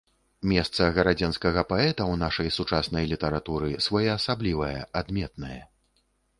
Месца гарадзенскага паэта ў нашай сучаснай літаратуры своеасаблівае, адметнае.